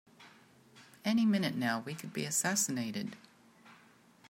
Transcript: Any minute now we could be assassinated!